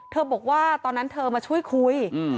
บอกว่าตอนนั้นเธอมาช่วยคุย